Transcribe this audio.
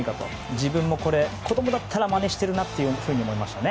自分も、子供だったらまねしているなと思いましたね。